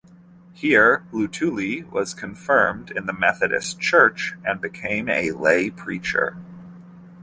Here Lutuli was confirmed in the Methodist Church and became a lay preacher.